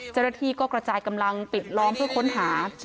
เจ้าหน้าที่ก็กระจายกำลังปิดล้อมเพื่อค้นหา